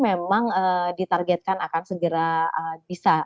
di termin ny entargetkan akan segera bisa digunakan